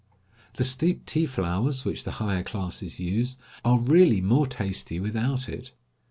The steeped tea flowers, which the higher classes use, are really more tasty without it.